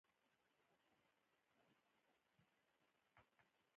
خو د مينې زړه هلته له دوی سره کښېناستل ونه غوښتل.